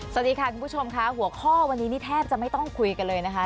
สวัสดีค่ะคุณผู้ชมค่ะหัวข้อวันนี้นี่แทบจะไม่ต้องคุยกันเลยนะคะ